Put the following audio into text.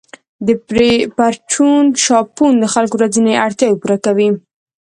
د پرچون شاپونه د خلکو ورځنۍ اړتیاوې پوره کوي.